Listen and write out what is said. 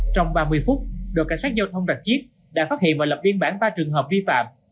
trong ba mươi phút đội cảnh sát giao thông rạch chiếc đã phát hiện và lập biên bản ba trường hợp vi phạm